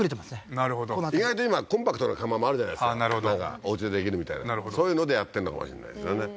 なるほど意外と今コンパクトな窯もあるじゃないですかなんかおうちでできるみたいなそういうのでやってんのかもしれないですよね